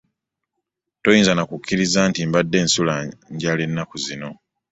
Toyinza na kukikkiriza nti mbadde nsula njala ennaku zino!